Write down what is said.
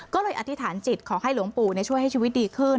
ก็เลยอธิษฐานจิตขอให้หลวงปู่ช่วยให้ชีวิตดีขึ้น